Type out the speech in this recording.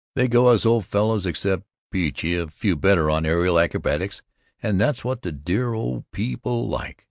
They go us old fellows except Beachey a few better on aerial acrobatics, and that's what the dear pee pul like.